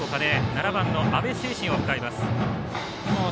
７番の安部政信を迎えます。